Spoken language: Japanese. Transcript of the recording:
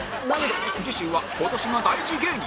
次週は今年が大事芸人